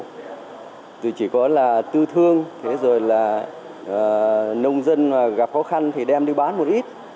rồi chỉ có là tư thương rồi là nông dân gặp khó khăn thì đem đi bán một ít